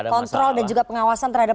kontrol dan juga pengawasan terhadap